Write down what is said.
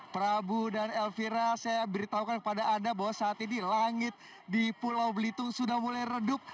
prabu dan elvira saya beritahukan kepada anda bahwa saat ini langit di pulau belitung sudah mulai redup